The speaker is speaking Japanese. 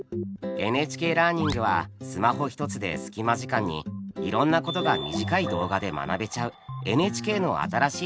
「ＮＨＫラーニング」はスマホ１つで隙間時間にいろんなことが短い動画で学べちゃうＮＨＫの新しいサービスです。